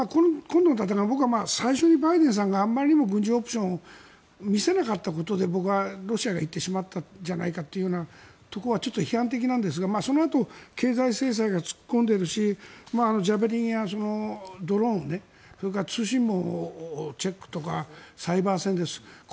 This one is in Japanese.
今度のことは、僕は最初にバイデンさんがあまりにも軍事オプションを見せなかったことで僕はロシアがいってしまったんじゃないかというところには批判的なんですが、そのあと経済制裁が突っ込んでるし「ジャベリン」やドローンそれから通信網のチェックとかサイバー戦。